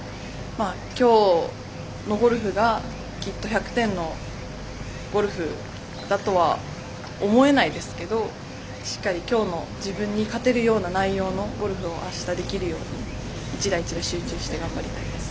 きょうのゴルフがきっと１００点のゴルフとは思えないですけど、しっかりきょうの自分に勝てるような内容のゴルフをあしたできるように１打１打集中して頑張りたいです。